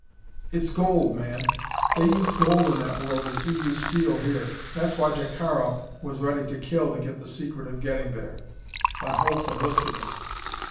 It's gold, man! They use gold in that world as we use steel here. That's why Jacaro was ready to kill to get the secret of getting there. Von Holtz enlisted him."